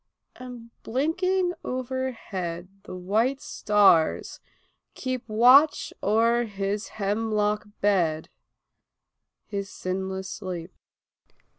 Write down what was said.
And blinking overhead the white stars keep Watch o'er his hemlock bed his sinless sleep.